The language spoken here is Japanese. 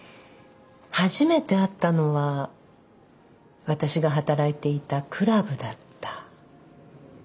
初めて会ったのは私が働いていたクラブだった。